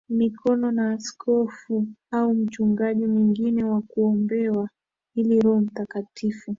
mikono na askofu au mchungaji mwingine na kuombewa ili Roho Mtakatifu